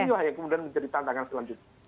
inilah yang kemudian menjadi tantangan selanjutnya